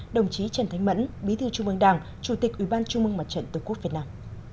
đồng chí trần thánh mẫn bí thư trung mương đảng chủ tịch ủy ban trung mương mặt trận tổ quốc việt nam